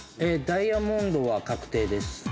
ダイヤモンドは確定です。